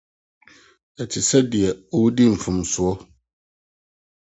Ɛte sɛ nea ɔredi mfomso.